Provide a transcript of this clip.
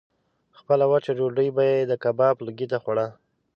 خپله وچه ډوډۍ به یې د کباب لوګي ته خوړه.